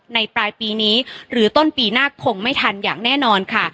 ปลายปีนี้หรือต้นปีหน้าคงไม่ทันอย่างแน่นอนค่ะ